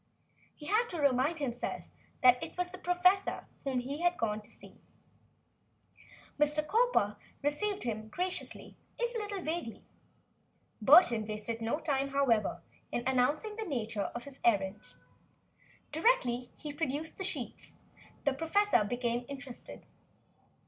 He had to remind himself that it was the professor whom he had come to see. Mr. Cowper received him graciously, if a little vaguely. Burton wasted no time, however, in announcing the nature of his errand. Directly he produced the sheets, the professor became interested.